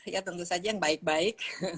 ya tentu saja yang baik baik